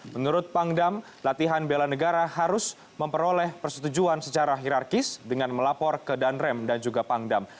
menurut pangdam latihan bela negara harus memperoleh persetujuan secara hirarkis dengan melapor ke danrem dan juga pangdam